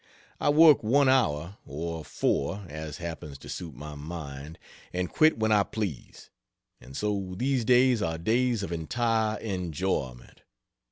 I work one hour or four as happens to suit my mind, and quit when I please. And so these days are days of entire enjoyment.